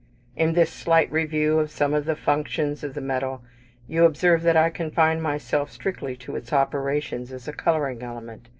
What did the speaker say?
In this slight review of some of the functions of the metal, you observe that I confine myself strictly to its operations as a colouring element.